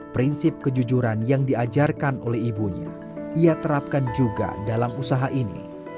prinsip kejujuran yang diajarkan oleh ibunya ia terapkan juga dalam usaha ini